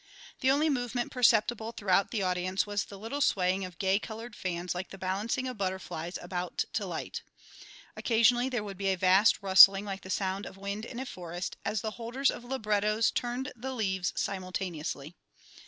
The only movement perceptible throughout the audience was the little swaying of gay coloured fans like the balancing of butterflies about to light. Occasionally there would be a vast rustling like the sound of wind in a forest, as the holders of librettos turned the leaves simultaneously.